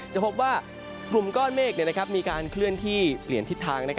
จะพบว่ากลุ่มก้อนเมฆมีการเคลื่อนที่เปลี่ยนทิศทาง